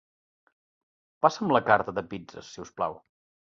Passa'm la carta de pizzes, si us plau.